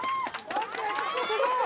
すごい！